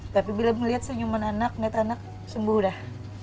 tapi bila melihat senyuman anak melihat anak sembuh dah